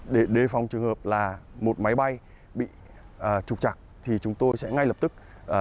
để đề phòng trường hợp là một máy bay bị trục chặt thì chúng tôi sẽ ngay lập tức